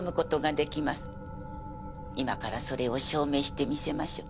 今からそれを証明してみせましょう。